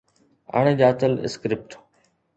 اڻڄاتل اسڪرپٽ